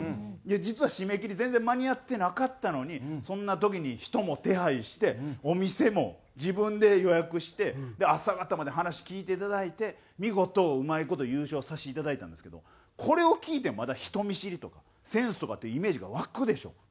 実は締め切り全然間に合ってなかったのにそんな時に人も手配してお店も自分で予約して朝方まで話聞いていただいて見事うまい事優勝させていただいたんですけどこれを聞いてもまだ人見知りとかセンスとかっていうイメージが湧くでしょうか？